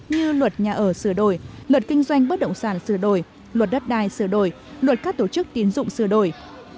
như luật nhà ở sửa đổi luật kinh doanh bất động sản sửa đổi luật đất đai sửa đổi luật các tổ chức tiến dụng sửa đổi